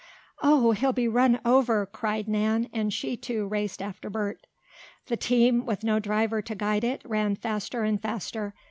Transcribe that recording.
"Oh, he'll be run over!" cried Nan, as she, too, raced after Bert. The team, with no driver to guide it, ran faster and faster.